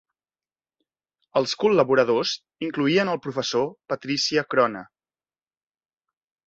Els col·laboradors incloïen el professor Patricia Crone.